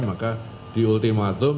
maka di ultimatum